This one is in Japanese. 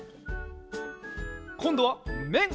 こんどはめん！